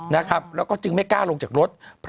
แล้วก็จึงไม่กล้าลงจากรถ